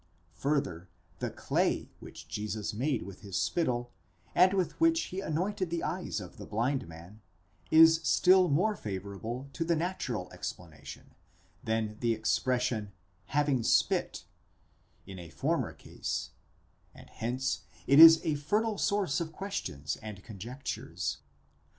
Further, the clay, πηλὸς, which Jesus made with his spittle, and with which he anointed the eyes of the blind man, is still more favourable to the natural explanation than the expression πτύσας having spit, ina former case, and hence it is a fertile source of questions and con jectures.